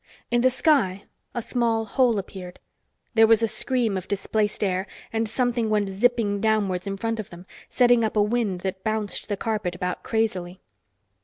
In the sky, a small hole appeared. There was a scream of displaced air, and something went zipping downwards in front of them, setting up a wind that bounced the carpet about crazily.